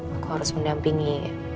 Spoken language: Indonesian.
aku harus mendampingi